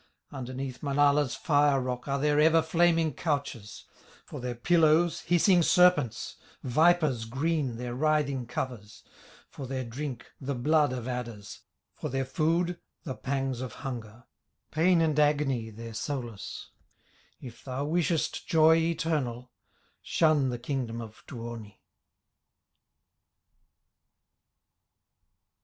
Underneath Manala's fire rock Are their ever flaming couches, For their pillows hissing serpents, Vipers green their writhing covers, For their drink the blood of adders, For their food the pangs of hunger, Pain and agony their solace; If thou wishest joy eternal, Shun the kingdom of Tuoni!" RUNE XVII.